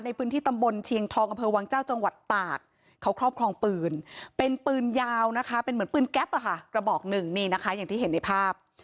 ในพื้นที่ตำบลเชียงทองอำเภอวังเจ้าจังหวัดตากเขาครอบครองปืนเป็นปืนยาวนะคะเป็นเหมือนปืนแก๊ปกระบอกหนึ่งนี่นะคะอย่างที่เห็นในภาพ